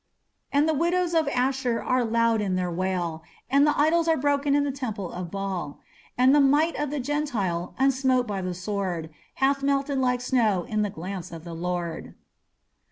And the widows of Asshur are loud in their wail, And the idols are broke in the temple of Baal; And the might of the Gentile, unsmote by the sword, Hath melted like snow in the glance of the Lord.